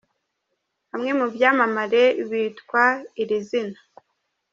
Bamwe mu byamamare bitwa iri zina.